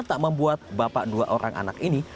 tak membuat bapak dua orang anak ini